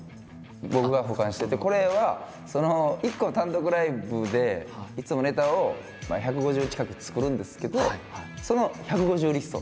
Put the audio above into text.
僕が保管しててこれは１個単独ライブでいつもネタを１５０近く作るんですけどその１５０リスト。